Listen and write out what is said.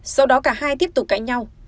sau đó cả hai tiếp tục cãi nhau